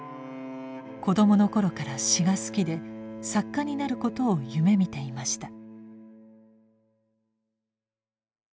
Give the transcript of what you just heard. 子どもの頃から詩が好きで作家になることを夢見ていました。